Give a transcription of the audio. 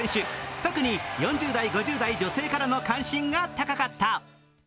特に４０代、５０代女性からの関心が高かった。